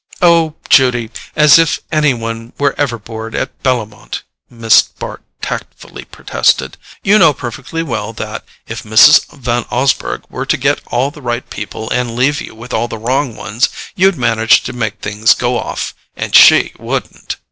"Oh, Judy—as if any one were ever bored at Bellomont!" Miss Bart tactfully protested. "You know perfectly well that, if Mrs. Van Osburgh were to get all the right people and leave you with all the wrong ones, you'd manage to make things go off, and she wouldn't."